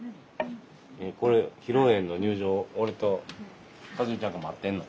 これ披露宴の入場俺と一美ちゃんと待ってんの？